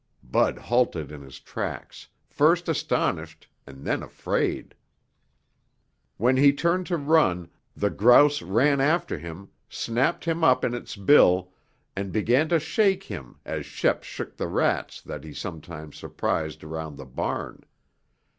Bud halted in his tracks, first astonished and then afraid. When he turned to run, the grouse ran after him, snapped him up in its bill, and began to shake him as Shep shook the rats that he sometimes surprised around the barn.